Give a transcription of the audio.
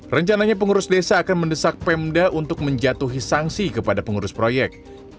rencananya pengurus desa akan mendesak pemda untuk menjatuhi sanksi kepada pengurus proyek